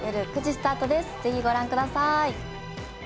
ぜひご覧ください。